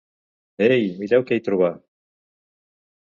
Eiiiii, mireu què hi trobà!